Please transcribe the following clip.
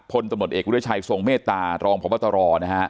พลตมติเอกวิทยาชัยทรงเมตตารองพระพัตตรอนะฮะ